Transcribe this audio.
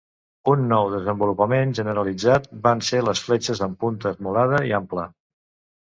Un nou desenvolupament generalitzat van ser les fletxes amb punta esmolada i ampla.